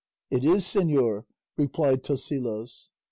"It is, señor," replied Tosilos.